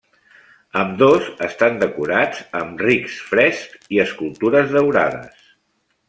Ambdós estan decorats amb rics frescs i escultures daurades.